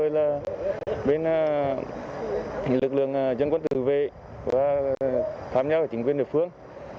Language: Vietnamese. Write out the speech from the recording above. lực lượng dân quân tự vệ và tham gia với chính quyền địa phương